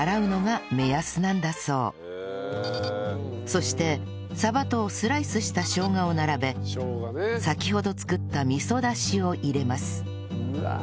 そしてサバとスライスしたしょうがを並べ先ほど作った味噌だしを入れますはあ！